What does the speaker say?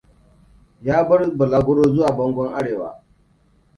Ya bar balaguro zuwa Pole Arewa.